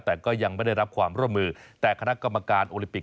แต่ก็ยังไม่ได้รับความร่วมมือแต่คณะกรรมการโอลิปิก